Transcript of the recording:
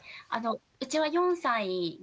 うちは４歳で